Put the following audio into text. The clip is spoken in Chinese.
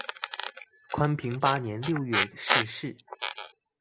宽平八年六月逝世。